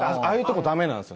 ああいうとこ駄目。